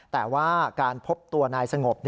แต่ว่าการพบตัวนายสงบ